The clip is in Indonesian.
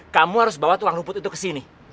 kamu harus bawa tukang rumput itu kesini